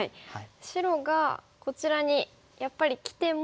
白がこちらにやっぱりきても。